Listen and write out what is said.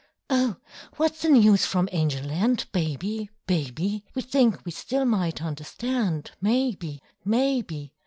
"Oh! what's the news from Angel Land, Baby, Baby? We think we still might understand, Maybe, maybe!